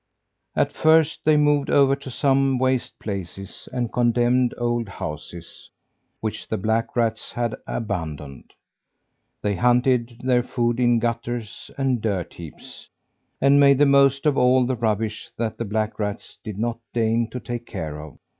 At first they moved over to some waste places and condemned old houses which the black rats had abandoned. They hunted their food in gutters and dirt heaps, and made the most of all the rubbish that the black rats did not deign to take care of.